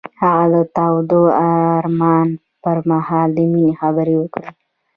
هغه د تاوده آرمان پر مهال د مینې خبرې وکړې.